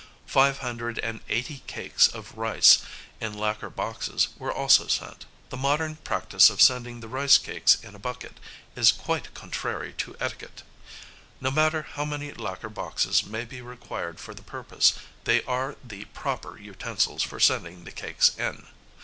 Five hundred and eighty cakes of rice in lacquer boxes were also sent. The modern practice of sending the rice cakes in a bucket is quite contrary to etiquette: no matter how many lacquer boxes may be required for the purpose, they are the proper utensils for sending the cakes in.